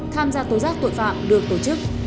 tham gia tối giác tội phạm được tổ chức